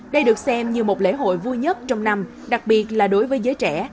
đây được xem như một lễ hội vui nhất trong năm đặc biệt là đối với giới trẻ